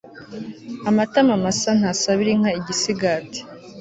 amatama masa ntasabira inka igisigati